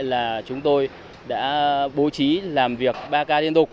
thứ ba là chúng tôi đã bố trí làm việc ba k liên tục